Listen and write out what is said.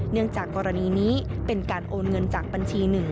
จากกรณีนี้เป็นการโอนเงินจากบัญชีหนึ่ง